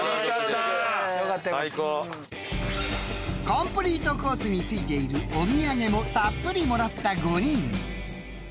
［コンプリートコースに付いているお土産もたっぷりもらった５人］